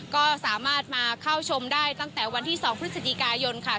ก็สามารถมาเข้าชมได้ตั้งแต่วันที่๒พฤศจิกายนค่ะ